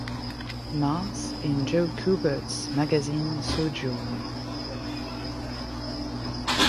Mars" in Joe Kubert's magazine "Sojourn".